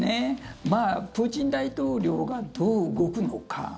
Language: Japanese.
プーチン大統領がどう動くのか。